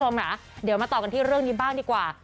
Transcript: ค่ะเดี๋ยวมาต่อกันที่เรื่องนี้บ้างดีกว่า